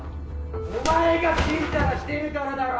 お前がチンタラしてるからだろ！